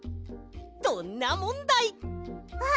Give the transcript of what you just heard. どんなもんだい！